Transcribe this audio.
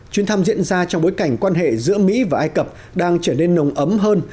chuyến thăm diễn ra trong bối cảnh quan hệ giữa mỹ và ai cập đang trở nên nồng ấm hơn